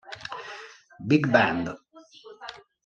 Big Band!